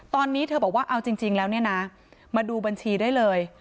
ตอนนี้เธอบอกว่าเอาจริงแล้วเนี่ยนะมาดูบัญชีได้เลย